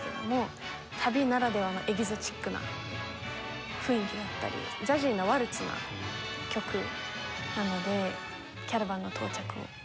旅ならではのエキゾチックな雰囲気だったりジャジーなワルツな曲なので『キャラバンの到着』を選びました。